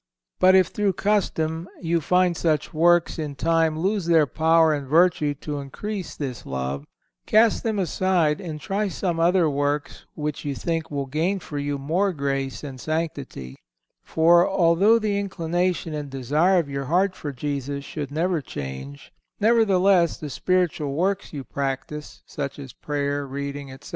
But if through custom, you find such works in time lose their power and virtue to increase this love, cast them aside and try some other works which you think will gain for you more grace and sanctity; for, although the inclination and desire of your heart for Jesus should never change, nevertheless the spiritual works you practice, such as prayer, reading, etc.